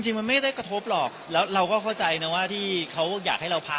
จริงมันไม่ได้กระทบหรอกแล้วเราก็เข้าใจนะว่าที่เขาอยากให้เราพัก